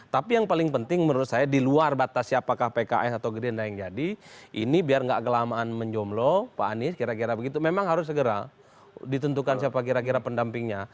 tapi yang paling penting menurut saya di luar batas siapakah pks atau gerinda yang jadi ini biar nggak kelamaan menjomlo pak anies kira kira begitu memang harus segera ditentukan siapa kira kira pendampingnya